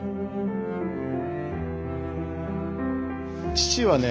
父はね